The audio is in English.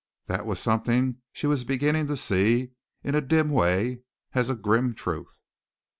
That was something she was beginning to see in a dim way as a grim truth.